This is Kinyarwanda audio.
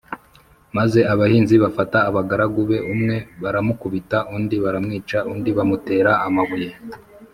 maze abahinzi bafata abagaragu be, umwe baramukubita undi baramwica, undi bamutera amabuye